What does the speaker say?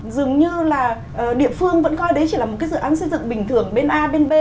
dường như là địa phương vẫn coi đấy chỉ là một dự án xây dựng bình thường bên a bên b